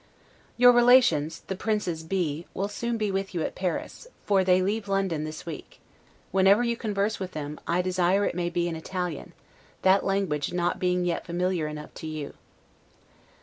Your relations, the Princes B , will soon be with you at Paris; for they leave London this week: whenever you converse with them, I desire it may be in Italian; that language not being yet familiar enough to you.